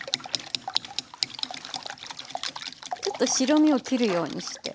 ちょっと白身を切るようにして。